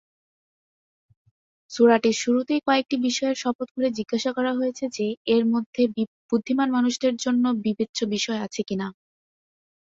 সূরাটির শুরুতেই কয়েকটি বিষয়ের শপথ করে জিজ্ঞাসা করা হয়েছে যে, এর মধ্যে বুদ্ধিমান মানুষদের জন্য বিবেচ্য বিষয় আছে কিনা।